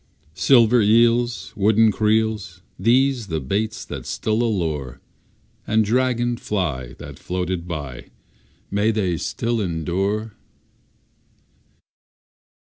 Silver eels, Wooden creels, These the baits that still allure, And dragon fly That floated by, May they still endure?